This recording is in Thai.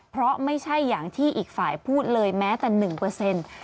เพราะไม่ใช่อย่างที่อีกฝ่ายพูดเลยแม้แต่๑